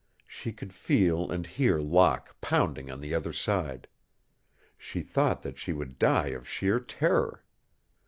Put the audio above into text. She could feel and hear Locke pounding on the other side. She thought that she would die of sheer terror.